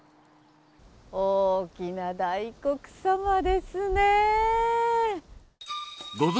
大きな大黒様ですねー！